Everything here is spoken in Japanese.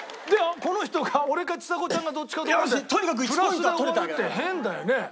この人が俺かちさ子ちゃんがどっちかドボンしてプラスで終わるって変だよね。